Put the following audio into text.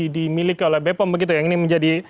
dimiliki oleh bepom begitu yang ini menjadi